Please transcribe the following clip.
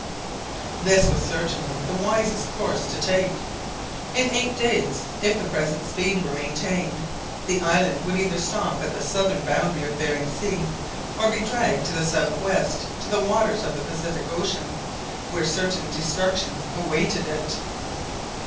This was certainly the wisest course to take. In eight days, if the present speed were maintained, the island would either stop at the southern boundary of Behring Sea, or be dragged to the south west to the waters of the Pacific Ocean, where certain destruction awaited it.